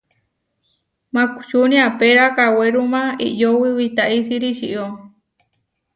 Makučúni aapéra kawerúma iʼyówi witaisíri ičio.